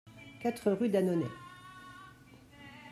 quatre rue d'Annonay